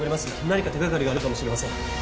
何か手掛かりがあるかもしれません。